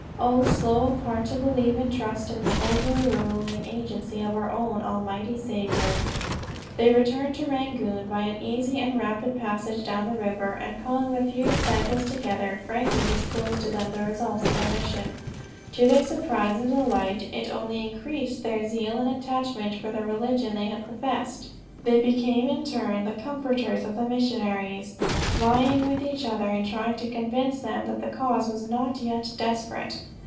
O slow of heart to believe and trust in the over ruling agency of our own Almighty Saviour!" They returned to Rangoon by an easy and rapid passage down the river, and calling the few disciples together frankly disclosed to them the result of their mission. To their surprise and delight it only increased their zeal and attachment for the religion they had professed. They became in turn the comforters of the missionaries, vieing with each other in trying to convince them that the cause was not yet desperate.